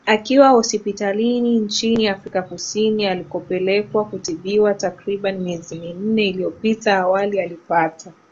akiwa hospitalini nchini Afrika Kusini alikopelekwa kutibiwa takriban miezi minne iliyopita Awali alipata